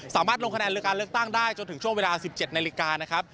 ลงคะแนนหรือการเลือกตั้งได้จนถึงช่วงเวลา๑๗นาฬิกานะครับ